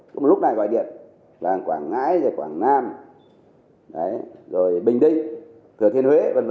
cũng lúc này gọi điện là quảng ngãi quảng nam bình đinh thừa thiên huế v v